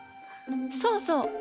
そうそう！